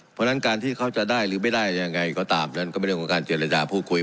เพราะฉะนั้นการที่เขาจะได้หรือไม่ได้ยังไงก็ตามนั้นก็เป็นเรื่องของการเจรจาพูดคุย